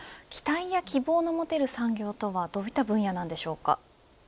期待や希望の持てる産業とはどういった分野でしょうか。